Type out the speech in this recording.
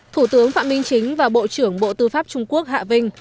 thủ tướng phạm minh chính và bộ trưởng bộ tư pháp trung quốc hạ vinh